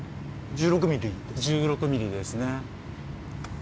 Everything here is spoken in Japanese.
１６ミリですね。